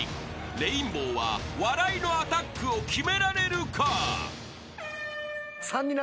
［レインボーは笑いのアタックを決められるか？］